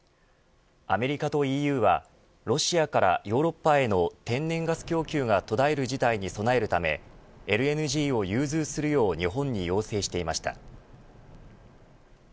アメリカとＥＵはロシアからヨーロッパへの天然ガス供給が途絶える事態に備えるためＬＮＧを融通するよう日本に要請していました。